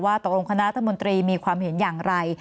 ตกลงคณะรัฐมนตรีมีความเห็นอย่างไร